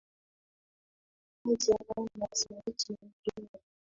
Nadia ana sauti nzuri.